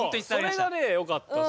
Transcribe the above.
それがねよかったっすよ。